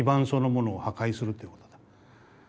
そのものを破壊するっていうことだ。